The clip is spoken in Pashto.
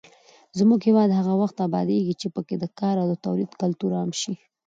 زموږ هېواد هغه وخت ابادېږي چې پکې د کار او تولید کلتور عام شي.